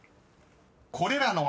［これらの］